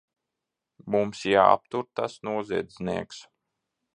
Mums jāaptur tas noziedznieks!